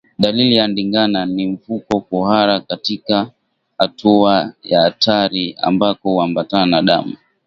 Dalili ya ndigana ni mfugo kuhara katika hatua ya hatari ambako huambatana na damu